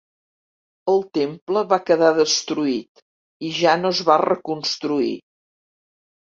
El temple va quedar destruït i ja no es va reconstruir.